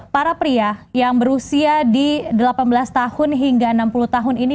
para pria yang berusia di delapan belas tahun hingga enam puluh tahun ini